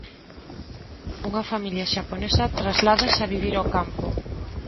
Unha familia xaponesa trasládase a vivir ao campo.